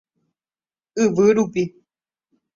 Yvy rupi.